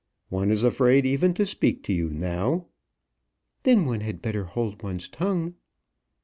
"One is afraid even to speak to you now." "Then one had better hold one's tongue."